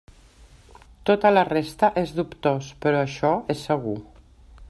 Tota la resta és dubtós, però això és segur.